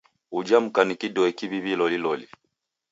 Uja mka ni kidoi kiw'iw'i loliloli.